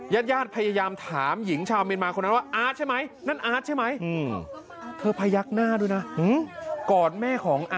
ญาติยาติพยายามถามหญิงชาวเมียนมาคนนั้นว่า